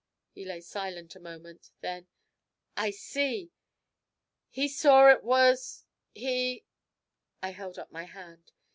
He lay silent a moment, then: 'I see! He saw it was he ' I held up my hand.